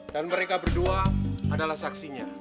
mereka berdua adalah saksinya